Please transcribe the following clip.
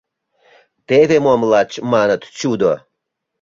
Теве мом лач маныт чудо».